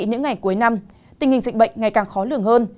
những ngày cuối năm tình hình dịch bệnh ngày càng khó lường hơn